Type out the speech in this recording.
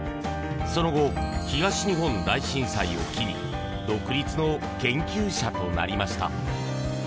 その後、東日本大震災を機に独立の研究者となりました。